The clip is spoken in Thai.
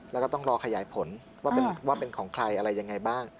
แล้วก็ต้องรอขยายผลว่าเป็นของใครอะไรยังไงบ้าง